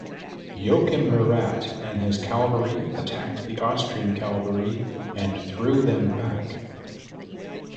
Joachim Murat and his cavalry attacked the Austrian cavalry and threw them back.